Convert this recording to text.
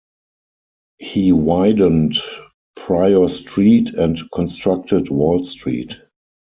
He widened Pryor Street and constructed Wall Street.